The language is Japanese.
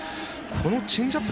今のチェンジアップ